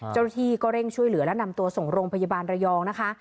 เจ้าหน้าที่ก็เร่งช่วยเหลือและนำตัวส่งโรงพยาบาลระยองนะคะ